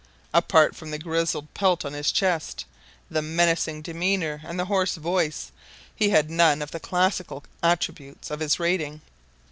Apart from the grizzled pelt on his chest, the menacing demeanour and the hoarse voice, he had none of the classical attributes of his rating.